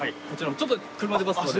ちょっと車出ますので。